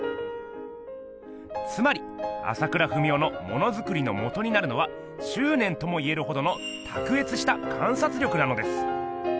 つまり朝倉文夫のものづくりのもとになるのはしゅうねんとも言えるほどのたくえつした観察力なのです。